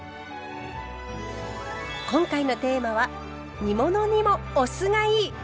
今回のテーマは煮物にもお酢がいい！